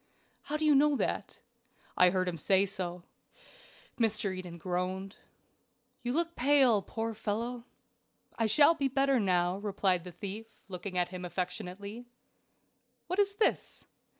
"How do you know that?" "I heard him say so." Mr. Eden groaned. "You look pale, my poor fellow." "I shall be better now," replied the thief, looking at him affectionately. "What is this?"